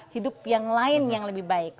hidup yang lain yang lebih baik